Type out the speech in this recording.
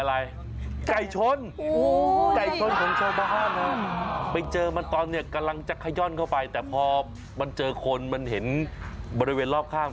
ว้ายแล้วมันจะมันจะขย้อนเหรอคุณว้าย